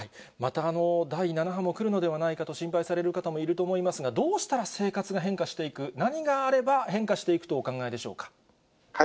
また第７波も来るのではないかと心配される方もいると思いますが、どうしたら生活が変化していく、何があれば、変化していくとお考えでしょうか。